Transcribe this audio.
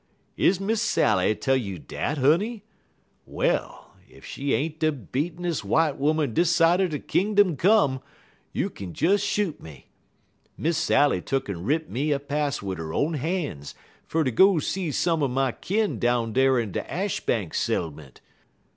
"Is Miss Sally tell you dat, honey? Well, ef she ain't de beatenes' w'ite 'oman dis side er kingdom come, you kin des shoot me. Miss Sally tuck'n writ me a pass wid her own han's fer ter go see some er my kin down dar in de Ashbank settlement.